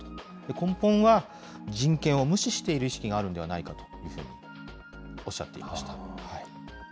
根本は、人権を無視している意識があるんではないかというふうにおっしゃっていました。